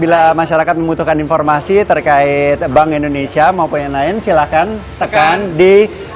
bila masyarakat membutuhkan informasi terkait bank indonesia maupun yang lain silahkan tekan di satu ratus tiga puluh satu